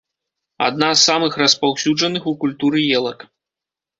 Адна з самых распаўсюджаных у культуры елак.